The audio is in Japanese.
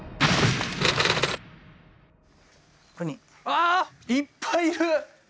ああいっぱいいる！